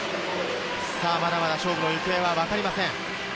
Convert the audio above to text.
まだまだ勝負の行方は分かりません。